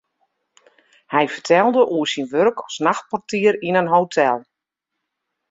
Hy fertelde oer syn wurk as nachtportier yn in hotel.